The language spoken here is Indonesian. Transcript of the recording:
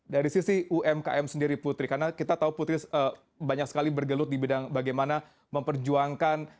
dari sisi umkm sendiri putri karena kita tahu putri banyak sekali bergelut di bidang bagaimana memperjuangkan